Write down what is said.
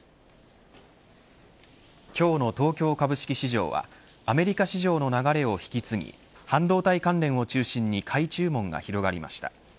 今日の東京株式市場はアメリカ市場の流れを引き継ぎ半導体関連を中心に買い注文が広がりました。